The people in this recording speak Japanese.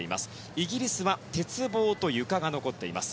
イギリスは鉄棒とゆかが残ってます。